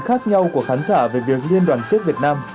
khác nhau của khán giả về việc liên đoàn siếc việt nam